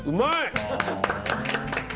うまい！